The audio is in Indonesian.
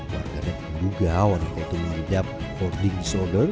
warganet penduga wanita itu melidap hoarding disorder